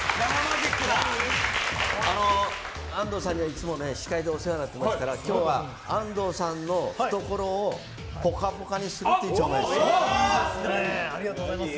安東さんにはいつも司会でお世話になってますから今日は安東さんの懐をぽかぽかにするという魔術をします。